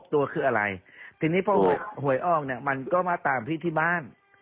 ตัวคืออะไรทีนี้พอหวยออกเนี่ยมันก็มาตามพี่ที่บ้าน